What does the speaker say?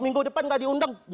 minggu depan gak diundang